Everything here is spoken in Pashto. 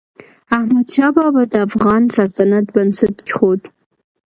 احمدشاه بابا د افغان سلطنت بنسټ کېښود.